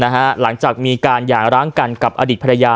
หลังจากมีการหย่าร้างกันกับอดีตภรรยา